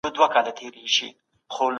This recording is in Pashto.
استازي د کډوالو په قانون کي څه بدلوي؟